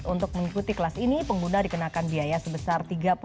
untuk mengikuti kelas ini pengguna dikenakan biaya sebesar